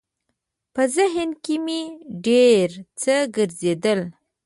په ذهن کې مې ډېر څه ګرځېدل.